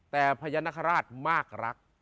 แต่พญานาคาราชมากรัก